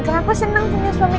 kan aku senang punya suami kikaku